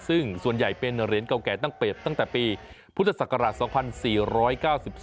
ซึ่งส่วนใหญ่เป็นเหรียญเก่าแก่ตั้งตั้งแต่ปีพุทธศักราช๒๔๙๒